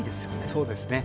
そうですね